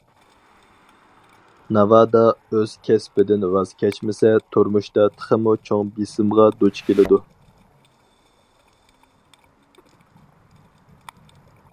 ناۋادا ئۆز كەسپىدىن ۋاز كەچمىسە، تۇرمۇشتا تېخىمۇ چوڭ بېسىمغا دۇچ كېلىدۇ.